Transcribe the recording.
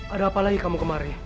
ada apa lagi kamu kemari